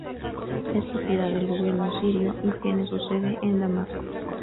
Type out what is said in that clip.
Es propiedad del Gobierno sirio y tiene su sede en Damasco.